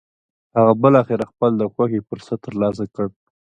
هغه بالاخره خپل د خوښې فرصت تر لاسه کړ.